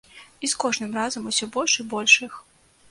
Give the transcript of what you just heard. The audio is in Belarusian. І з кожным разам усё больш і больш іх.